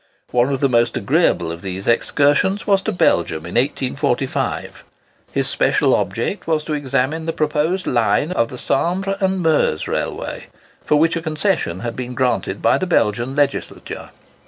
One of the most agreeable of these excursions was to Belgium in 1845. His special object was to examine the proposed line of the Sambre and Meuse Railway, for which a concession had been granted by the Belgian legislature.